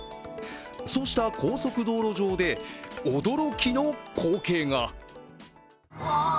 そうした高速道路上で驚きの光景が。